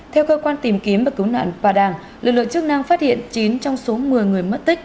theo cơ quan tìm kiếm và cứu nạn padang lực lượng chức năng phát hiện chín trong số một mươi người mất tích